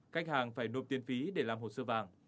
khách hàng phải nộp tiền phí để làm hồ sơ vàng